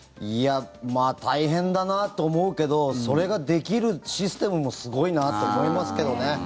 まあ大変だなって思うけどそれができるシステムもすごいなと思いますけどね。